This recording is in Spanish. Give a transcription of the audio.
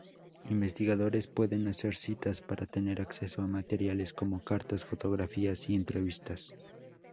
Investigadores pueden hacer citas para tener acceso a materiales como cartas, fotografías, y entrevistas.